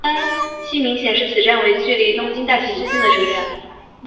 站名显示此站是距离东京大学最近的车站。